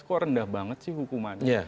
kok rendah banget sih hukumannya